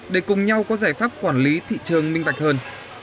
để cùng nhau có giải pháp quản lý thị trường minh bạch hơn